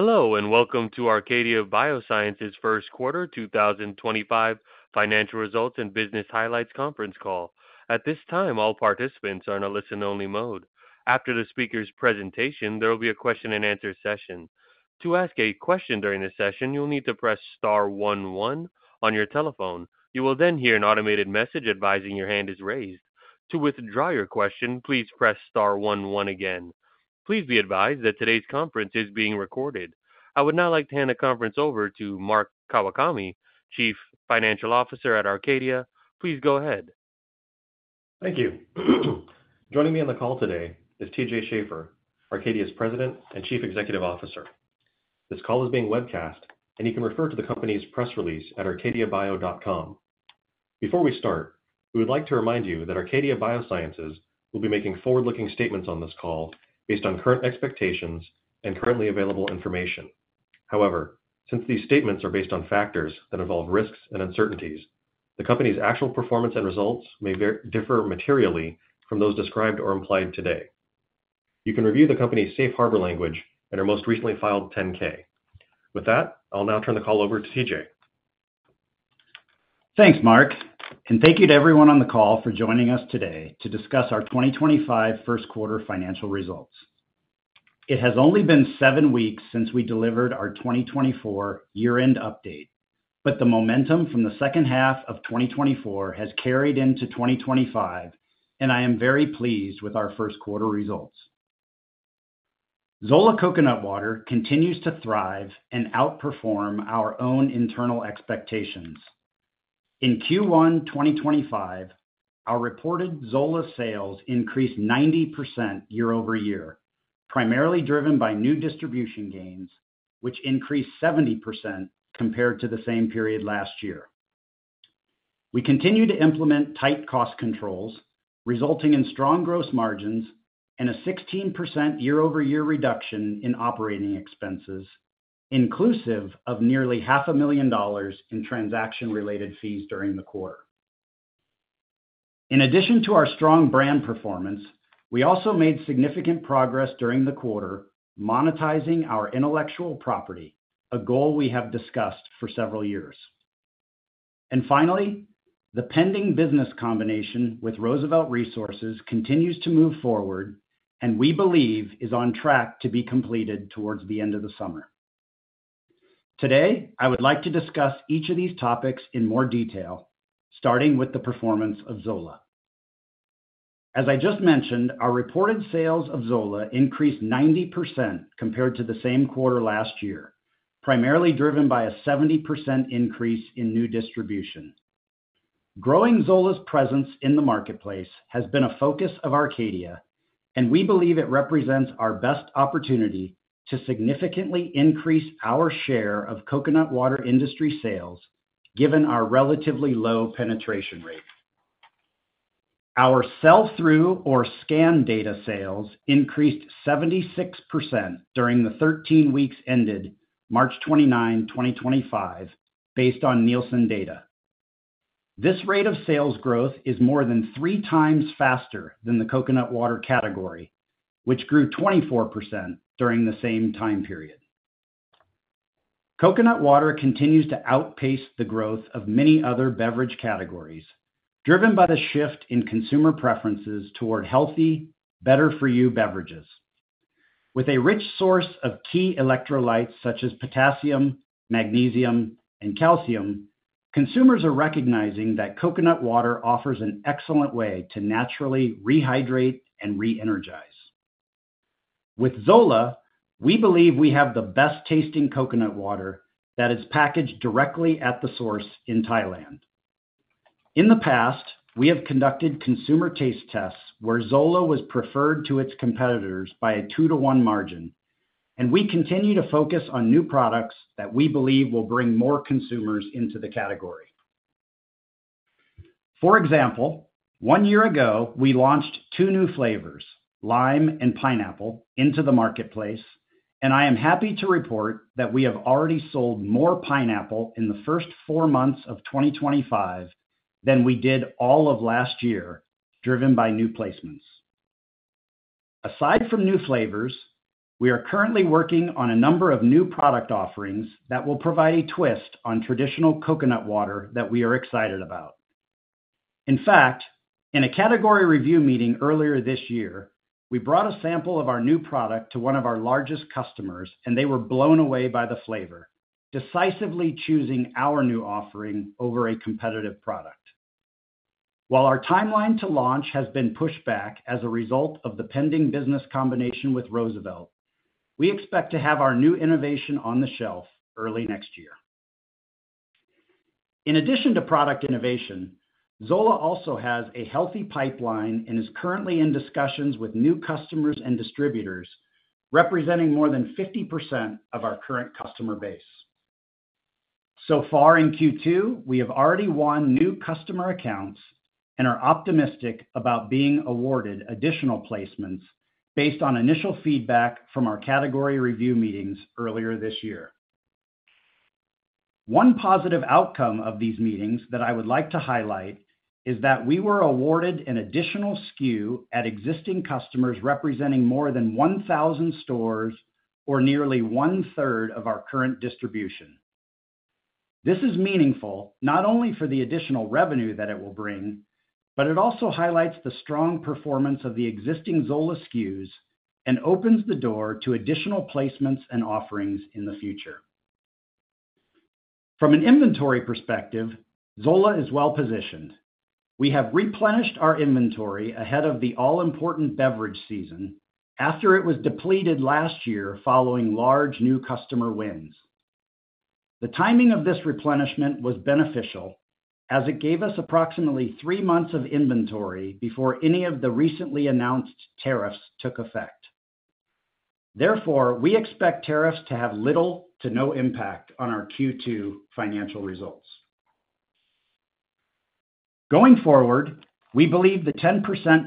Hello and welcome to Arcadia Biosciences' First Quarter 2025 Financial Results and Business Highlights Conference Call. At this time, all participants are in a listen-only mode. After the speaker's presentation, there will be a question-and-answer session. To ask a question during this session, you'll need to press Star 11 on your telephone. You will then hear an automated message advising your hand is raised. To withdraw your question, please press Star 11 again. Please be advised that today's conference is being recorded. I would now like to hand the conference over to Mark Kawakami, Chief Financial Officer at Arcadia. Please go ahead. Thank you. Joining me on the call today is T.J. Schaefer, Arcadia's President and Chief Executive Officer. This call is being webcast, and you can refer to the company's press release at arcadiabio.com. Before we start, we would like to remind you that Arcadia Biosciences will be making forward-looking statements on this call based on current expectations and currently available information. However, since these statements are based on factors that involve risks and uncertainties, the company's actual performance and results may differ materially from those described or implied today. You can review the company's safe harbor language and our most recently filed 10-K. With that, I'll now turn the call over to T.J. Thanks, Mark, and thank you to everyone on the call for joining us today to discuss our 2025 First Quarter financial results. It has only been 7 weeks since we delivered our 2024 year-end update, but the momentum from the second half of 2024 has carried into 2025, and I am very pleased with our first quarter results. Zola Coconut Water continues to thrive and outperform our own internal expectations. In Q1 2025, our reported Zola sales increased 90% year-over-year, primarily driven by new distribution gains, which increased 70% compared to the same period last year. We continue to implement tight cost controls, resulting in strong gross margins and a 16% year-over-year reduction in operating expenses, inclusive of nearly $500,000 in transaction-related fees during the quarter. In addition to our strong brand performance, we also made significant progress during the quarter monetizing our intellectual property, a goal we have discussed for several years. Finally, the pending business combination with Roosevelt Resources continues to move forward and we believe is on track to be completed towards the end of the summer. Today, I would like to discuss each of these topics in more detail, starting with the performance of Zola. As I just mentioned, our reported sales of Zola increased 90% compared to the same quarter last year, primarily driven by a 70% increase in new distribution. Growing Zola's presence in the marketplace has been a focus of Arcadia, and we believe it represents our best opportunity to significantly increase our share of coconut water industry sales, given our relatively low penetration rate. Our sell-through or scan data sales increased 76% during the 13 weeks ended March 29, 2025, based on Nielsen data. This rate of sales growth is more than 3 times faster than the coconut water category, which grew 24% during the same time period. Coconut water continues to outpace the growth of many other beverage categories, driven by the shift in consumer preferences toward healthy, better-for-you beverages. With a rich source of key electrolytes such as potassium, magnesium, and calcium, consumers are recognizing that coconut water offers an excellent way to naturally rehydrate and re-energize. With Zola, we believe we have the best-tasting coconut water that is packaged directly at the source in Thailand. In the past, we have conducted consumer taste tests where Zola was preferred to its competitors by a 2-to-1 margin, and we continue to focus on new products that we believe will bring more consumers into the category. For example, 1 year ago, we launched 2 new flavors, Zola Lime and Zola Pineapple, into the marketplace, and I am happy to report that we have already sold more Zola Pineapple in the first 4 months of 2025 than we did all of last year, driven by new placements. Aside from new flavors, we are currently working on a number of new product offerings that will provide a twist on traditional coconut water that we are excited about. In fact, in a category review meeting earlier this year, we brought a sample of our new product to 1 of our largest customers, and they were blown away by the flavor, decisively choosing our new offering over a competitive product. While our timeline to launch has been pushed back as a result of the pending business combination with Roosevelt Resources, we expect to have our new innovation on the shelf early next year. In addition to product innovation, Zola also has a healthy pipeline and is currently in discussions with new customers and distributors representing more than 50% of our current customer base. So far in Q2, we have already won new customer accounts and are optimistic about being awarded additional placements based on initial feedback from our category review meetings earlier this year. One positive outcome of these meetings that I would like to highlight is that we were awarded an additional SKU at existing customers representing more than 1,000 stores or nearly one-third of our current distribution. This is meaningful not only for the additional revenue that it will bring, but it also highlights the strong performance of the existing Zola SKUs and opens the door to additional placements and offerings in the future. From an inventory perspective, Zola is well-positioned. We have replenished our inventory ahead of the all-important beverage season after it was depleted last year following large new customer wins. The timing of this replenishment was beneficial as it gave us approximately 3 months of inventory before any of the recently announced tariffs took effect. Therefore, we expect tariffs to have little to no impact on our Q2 financial results. Going forward, we believe the 10%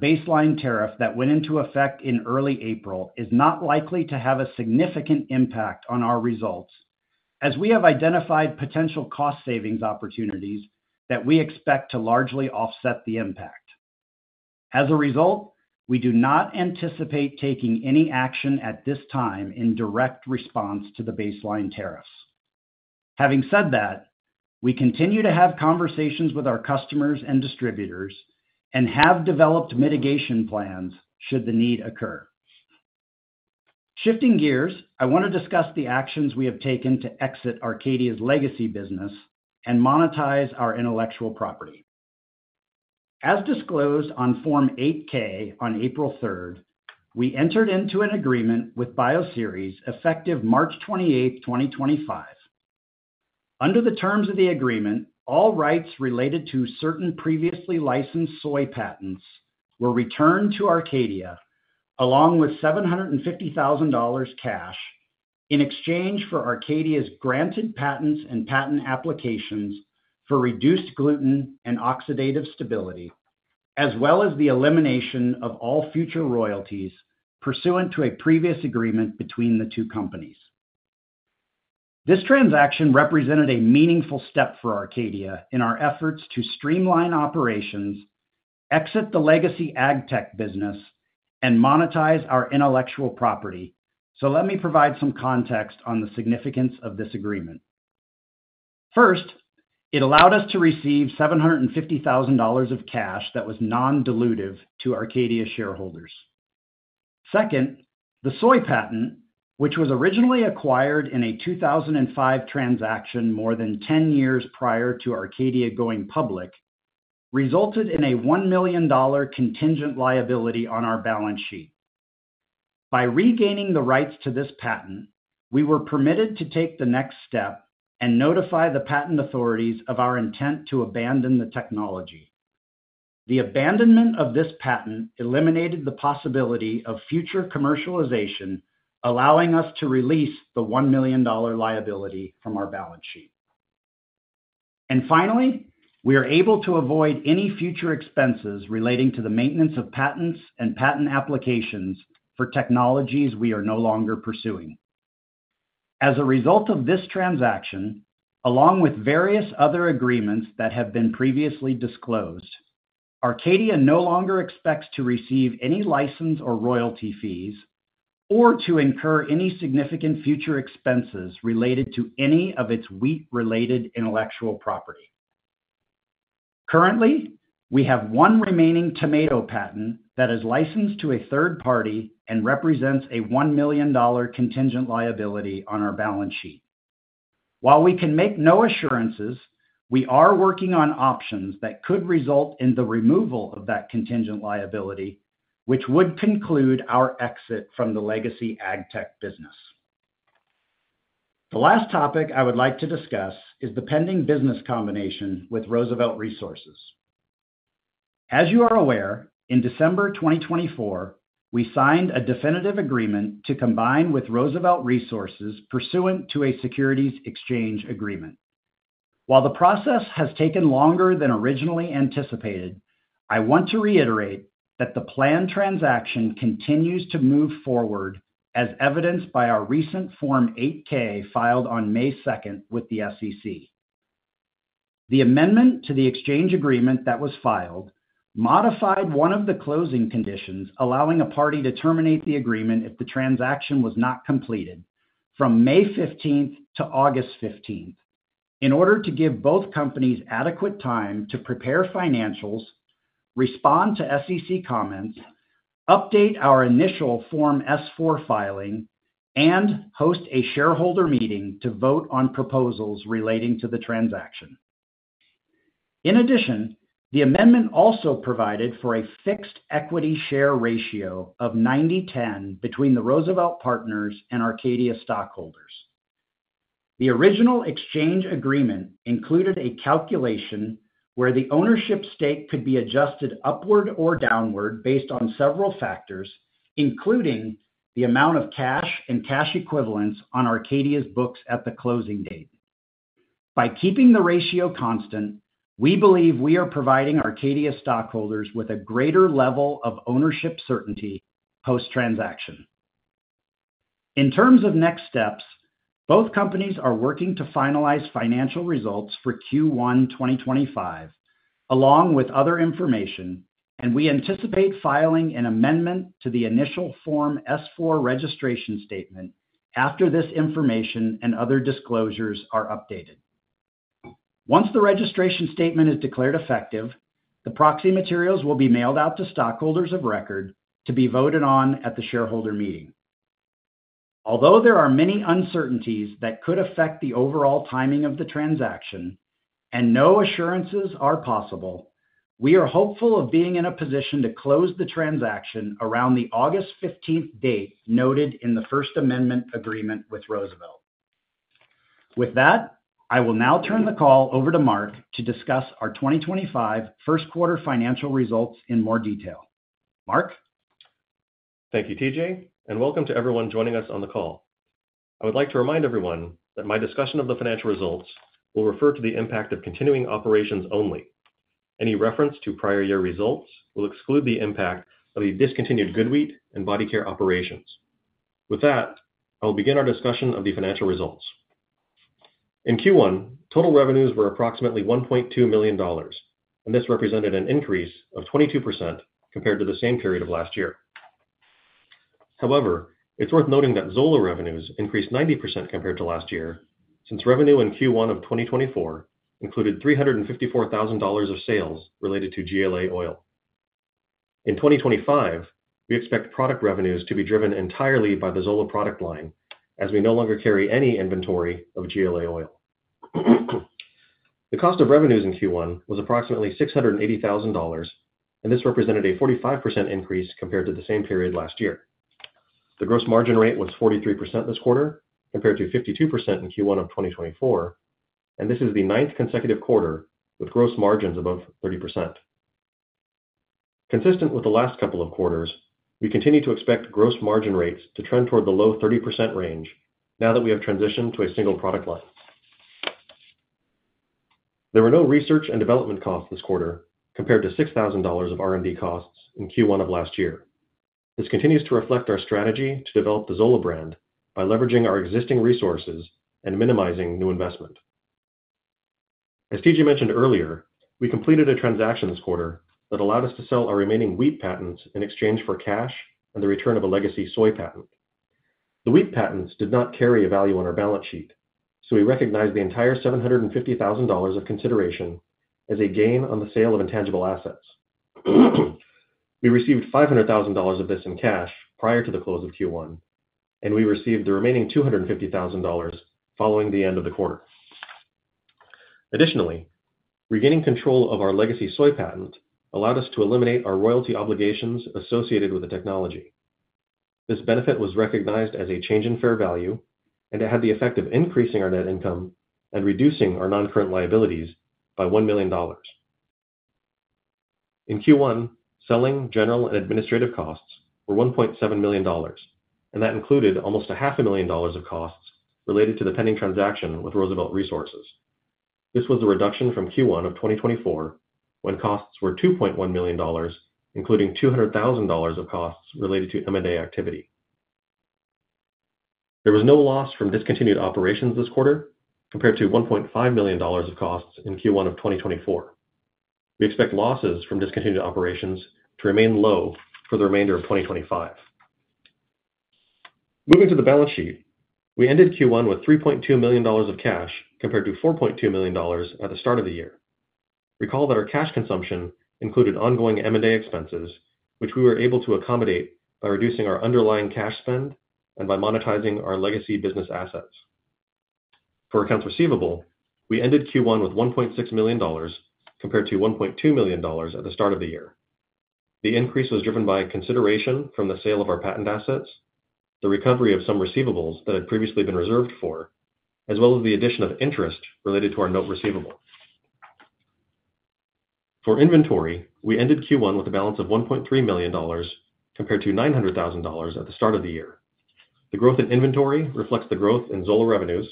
baseline tariff that went into effect in early April is not likely to have a significant impact on our results as we have identified potential cost savings opportunities that we expect to largely offset the impact. As a result, we do not anticipate taking any action at this time in direct response to the baseline tariffs. Having said that, we continue to have conversations with our customers and distributors and have developed mitigation plans should the need occur. Shifting gears, I want to discuss the actions we have taken to exit Arcadia's legacy business and monetize our intellectual property. As disclosed on Form 8-K on April 3, we entered into an agreement with BioSeries effective March 28, 2025. Under the terms of the agreement, all rights related to certain previously licensed soy patents were returned to Arcadia along with $750,000 cash in exchange for Arcadia's granted patents and patent applications for reduced gluten and oxidative stability, as well as the elimination of all future royalties pursuant to a previous agreement between the 2 companies. This transaction represented a meaningful step for Arcadia in our efforts to streamline operations, exit the legacy agtech business, and monetize our intellectual property. Let me provide some context on the significance of this agreement. First, it allowed us to receive $750,000 of cash that was non-dilutive to Arcadia shareholders. Second, the soy patent, which was originally acquired in a 2005 transaction more than 10 years prior to Arcadia going public, resulted in a $1 million contingent liability on our balance sheet. By regaining the rights to this patent, we were permitted to take the next step and notify the patent authorities of our intent to abandon the technology. The abandonment of this patent eliminated the possibility of future commercialization, allowing us to release the $1 million liability from our balance sheet. Finally, we are able to avoid any future expenses relating to the maintenance of patents and patent applications for technologies we are no longer pursuing. As a result of this transaction, along with various other agreements that have been previously disclosed, Arcadia Biosciences no longer expects to receive any license or royalty fees or to incur any significant future expenses related to any of its wheat-related intellectual property. Currently, we have 1 remaining tomato patent that is licensed to a third party and represents a $1 million contingent liability on our balance sheet. While we can make no assurances, we are working on options that could result in the removal of that contingent liability, which would conclude our exit from the legacy agtech business. The last topic I would like to discuss is the pending business combination with Roosevelt Resources. As you are aware, in December 2024, we signed a definitive agreement to combine with Roosevelt Resources pursuant to a securities exchange agreement. While the process has taken longer than originally anticipated, I want to reiterate that the planned transaction continues to move forward as evidenced by our recent Form 8-K filed on May 2 with the SEC. The amendment to the exchange agreement that was filed modified one of the closing conditions allowing a party to terminate the agreement if the transaction was not completed from May 15th to August 15th in order to give both companies adequate time to prepare financials, respond to SEC comments, update our initial Form S-4 filing, and host a shareholder meeting to vote on proposals relating to the transaction. In addition, the amendment also provided for a fixed equity share ratio of 90-10 between the Roosevelt partners and Arcadia stockholders. The original exchange agreement included a calculation where the ownership stake could be adjusted upward or downward based on several factors, including the amount of cash and cash equivalents on Arcadia's books at the closing date. By keeping the ratio constant, we believe we are providing Arcadia stockholders with a greater level of ownership certainty post-transaction. In terms of next steps, both companies are working to finalize financial results for Q1 2025 along with other information, and we anticipate filing an amendment to the initial Form S-4 registration statement after this information and other disclosures are updated. Once the registration statement is declared effective, the proxy materials will be mailed out to stockholders of record to be voted on at the shareholder meeting. Although there are many uncertainties that could affect the overall timing of the transaction and no assurances are possible, we are hopeful of being in a position to close the transaction around the August 15th date noted in the First Amendment agreement with Roosevelt. With that, I will now turn the call over to Mark to discuss our 2025 first quarter financial results in more detail. Mark? Thank you, T.J., and welcome to everyone joining us on the call. I would like to remind everyone that my discussion of the financial results will refer to the impact of continuing operations only. Any reference to prior year results will exclude the impact of the discontinued good wheat and body care operations. With that, I will begin our discussion of the financial results. In Q1, total revenues were approximately $1.2 million, and this represented an increase of 22% compared to the same period of last year. However, it's worth noting that Zola revenues increased 90% compared to last year since revenue in Q1 of 2024 included $354,000 of sales related to GLA oil. In 2025, we expect product revenues to be driven entirely by the Zola product line as we no longer carry any inventory of GLA oil. The cost of revenues in Q1 was approximately $680,000, and this represented a 45% increase compared to the same period last year. The gross margin rate was 43% this quarter compared to 52% in Q1 of 2024, and this is the ninth consecutive quarter with gross margins above 30%. Consistent with the last couple of quarters, we continue to expect gross margin rates to trend toward the low 30% range now that we have transitioned to a single product line. There were no research and development costs this quarter compared to $6,000 of R&D costs in Q1 of last year. This continues to reflect our strategy to develop the Zola brand by leveraging our existing resources and minimizing new investment. As T.J. mentioned earlier, we completed a transaction this quarter that allowed us to sell our remaining wheat patents in exchange for cash and the return of a legacy soy patent. The wheat patents did not carry a value on our balance sheet, so we recognize the entire $750,000 of consideration as a gain on the sale of intangible assets. We received $500,000 of this in cash prior to the close of Q1, and we received the remaining $250,000 following the end of the quarter. Additionally, regaining control of our legacy soy patent allowed us to eliminate our royalty obligations associated with the technology. This benefit was recognized as a change in fair value, and it had the effect of increasing our net income and reducing our non-current liabilities by $1 million. In Q1, selling general and administrative costs were $1.7 million, and that included almost $500,000 of costs related to the pending transaction with Roosevelt Resources. This was the reduction from Q1 of 2024 when costs were $2.1 million, including $200,000 of costs related to M&A activity. There was no loss from discontinued operations this quarter compared to $1.5 million of costs in Q1 of 2024. We expect losses from discontinued operations to remain low for the remainder of 2025. Moving to the balance sheet, we ended Q1 with $3.2 million of cash compared to $4.2 million at the start of the year. Recall that our cash consumption included ongoing M&A expenses, which we were able to accommodate by reducing our underlying cash spend and by monetizing our legacy business assets. For accounts receivable, we ended Q1 with $1.6 million compared to $1.2 million at the start of the year. The increase was driven by consideration from the sale of our patent assets, the recovery of some receivables that had previously been reserved for, as well as the addition of interest related to our note receivable. For inventory, we ended Q1 with a balance of $1.3 million compared to $900,000 at the start of the year. The growth in inventory reflects the growth in Zola revenues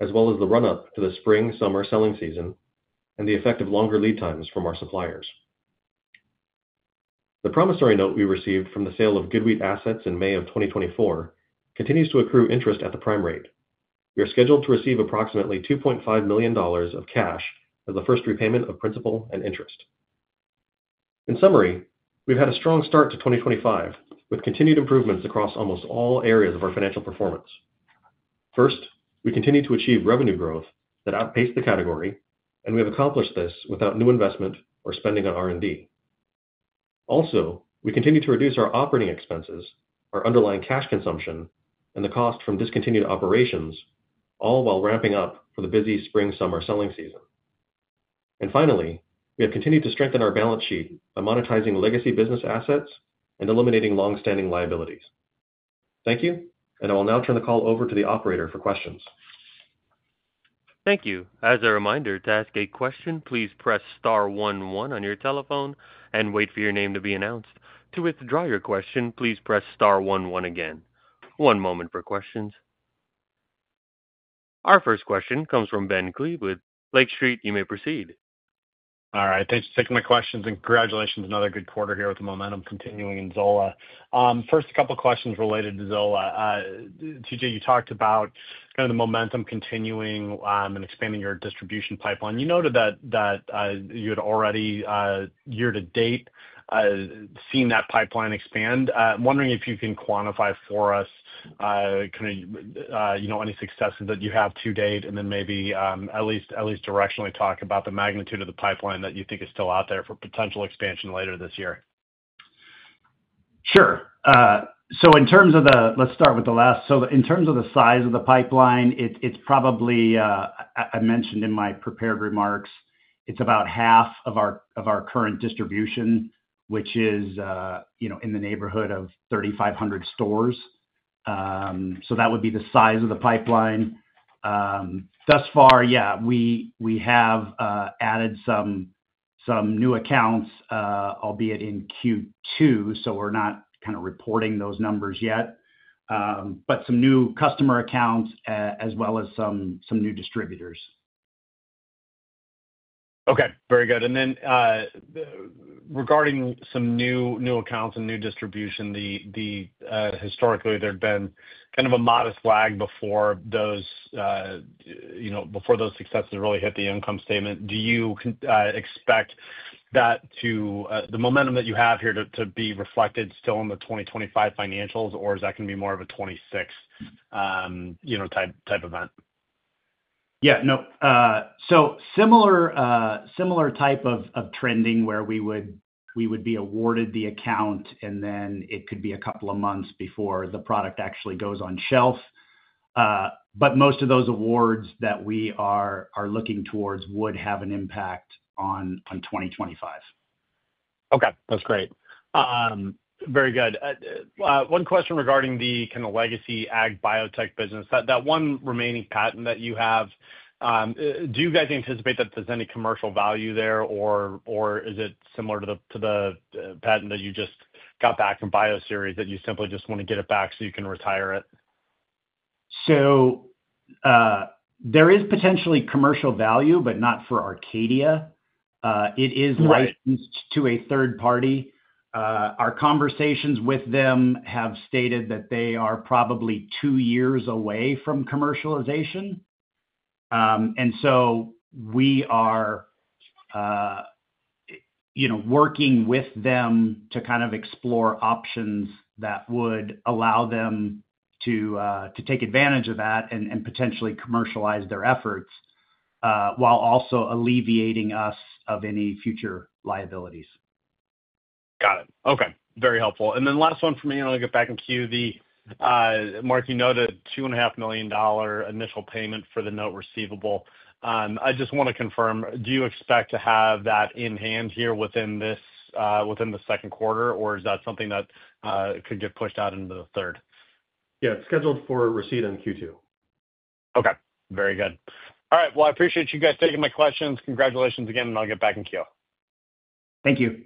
as well as the run-up to the spring-summer selling season and the effect of longer lead times from our suppliers. The promissory note we received from the sale of good wheat assets in May of 2024 continues to accrue interest at the prime rate. We are scheduled to receive approximately $2.5 million of cash as the first repayment of principal and interest. In summary, we've had a strong start to 2025 with continued improvements across almost all areas of our financial performance. First, we continue to achieve revenue growth that outpaced the category, and we have accomplished this without new investment or spending on R&D. Also, we continue to reduce our operating expenses, our underlying cash consumption, and the cost from discontinued operations, all while ramping up for the busy spring-summer selling season. Finally, we have continued to strengthen our balance sheet by monetizing legacy business assets and eliminating long-standing liabilities. Thank you, and I will now turn the call over to the operator for questions. Thank you. As a reminder to ask a question, please press star 11 on your telephone and wait for your name to be announced. To withdraw your question, please press star 11 again. One moment for questions. Our first question comes from Ben Kleeb with Lake Street. You may proceed. All right. Thanks for taking my questions, and congratulations on another good quarter here with the momentum continuing in Zola. First, a couple of questions related to Zola. T.J., you talked about kind of the momentum continuing and expanding your distribution pipeline. You noted that you had already, year to date, seen that pipeline expand. I'm wondering if you can quantify for us kind of any successes that you have to date, and then maybe at least directionally talk about the magnitude of the pipeline that you think is still out there for potential expansion later this year. Sure. In terms of the—let's start with the last. In terms of the size of the pipeline, it's probably—I mentioned in my prepared remarks—it's about half of our current distribution, which is in the neighborhood of 3,500 stores. That would be the size of the pipeline. Thus far, yeah, we have added some new accounts, albeit in Q2, so we're not kind of reporting those numbers yet, but some new customer accounts as well as some new distributors. Okay. Very good. And then regarding some new accounts and new distribution, historically, there'd been kind of a modest lag before those successes really hit the income statement. Do you expect that to—the momentum that you have here to be reflected still in the 2025 financials, or is that going to be more of a '26 type event? Yeah. No. Similar type of trending where we would be awarded the account, and then it could be a couple of months before the product actually goes on shelf. But most of those awards that we are looking towards would have an impact on 2025. Okay. That's great. Very good. One question regarding the kind of legacy ag biotech business. That one remaining patent that you have, do you guys anticipate that there's any commercial value there, or is it similar to the patent that you just got back from BioSeries that you simply just want to get it back so you can retire it? So there is potentially commercial value, but not for Arcadia. It is licensed to a third party. Our conversations with them have stated that they are probably 2 years away from commercialization. We are working with them to kind of explore options that would allow them to take advantage of that and potentially commercialize their efforts while also alleviating us of any future liabilities. Got it. Okay. Very helpful. And then last one for me, and I'll get back in queue. Mark, you noted $2.5 million initial payment for the note receivable. I just want to confirm, do you expect to have that in hand here within the second quarter, or is that something that could get pushed out into the third? Yeah. It's scheduled for receipt in Q2. Okay. Very good. All right. I appreciate you guys taking my questions. Congratulations again, and I'll get back in queue. Thank you.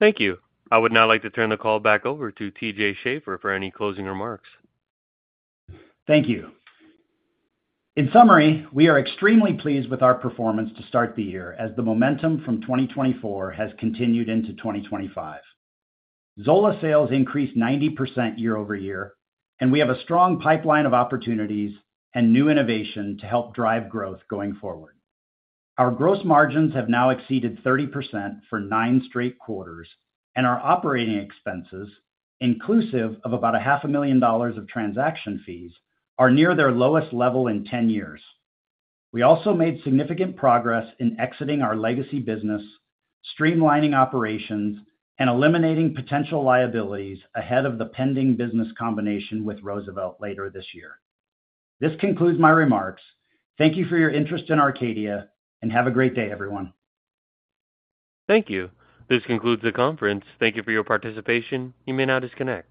Thank you. I would now like to turn the call back over to T.J. Schaefer for any closing remarks. Thank you. In summary, we are extremely pleased with our performance to start the year as the momentum from 2024 has continued into 2025. Zola sales increased 90% year over year, and we have a strong pipeline of opportunities and new innovation to help drive growth going forward. Our gross margins have now exceeded 30% for 9 straight quarters, and our operating expenses, inclusive of about $500,000 of transaction fees, are near their lowest level in 10 years. We also made significant progress in exiting our legacy business, streamlining operations, and eliminating potential liabilities ahead of the pending business combination with Roosevelt later this year. This concludes my remarks. Thank you for your interest in Arcadia, and have a great day, everyone. Thank you. This concludes the conference. Thank you for your participation. You may now disconnect.